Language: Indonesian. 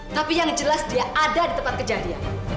tapi yang jelas dia ada di tempat kejadian